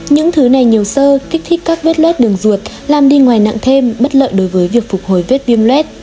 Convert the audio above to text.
những thứ này nhiều sơ kích thích các vết lết đường ruột làm đi ngoài nặng thêm bất lợi đối với việc phục hồi vết viêm luet